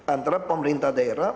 antara pemerintah daerah